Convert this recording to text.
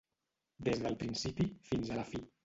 Des del principi fins a la fi.